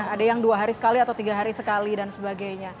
ada yang dua hari sekali atau tiga hari sekali dan sebagainya